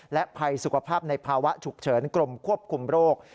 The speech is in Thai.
และภัยสุขภาพในภาวะฉุกเฉินกรมควบคุมโรค